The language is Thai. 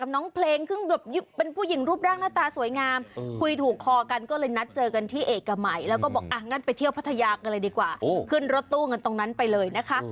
งั้นไปเที่ยวพัทยากันเลยดีกว่าขึ้นรถตู้กันตรงนั้นไปเลยนะคะ